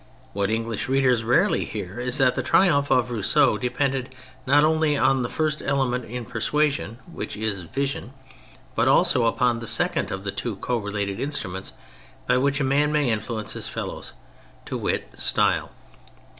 What English readers rarely hear is that the triumph of Rousseau depended not only on the first element in persuasion, which is vision, but also upon the second of the two co related instruments by which a man may influence his fellows — ^to wit, style.